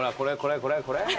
これこれ。